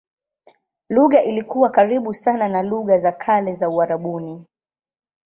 Lugha ilikuwa karibu sana na lugha za kale za Uarabuni.